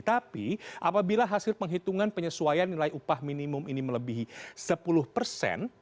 tapi apabila hasil penghitungan penyesuaian nilai upah minimum ini melebihi sepuluh persen